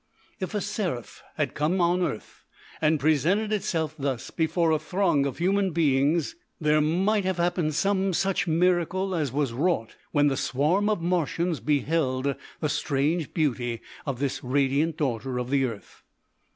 If a seraph had come on earth and presented itself thus before a throng of human beings, there might have happened some such miracle as was wrought when the swarm of Martians beheld the strange beauty of this radiant daughter of the earth.